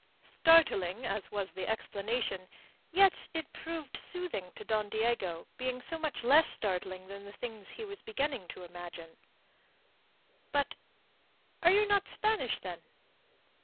Startling as was the explanation, yet it proved soothing to Don Diego, being so much less startling than the things he was beginning to imagine. "But... Are you not Spanish, then?"